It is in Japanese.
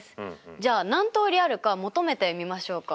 じゃあ何通りあるか求めてみましょうか。